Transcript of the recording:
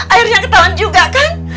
akhirnya ketawan juga kan